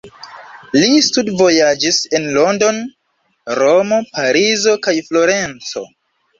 Li studvojaĝis en London, Romo, Parizo, kaj Florenco.